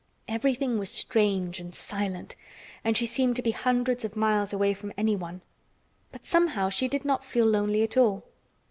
Everything was strange and silent and she seemed to be hundreds of miles away from anyone, but somehow she did not feel lonely at all.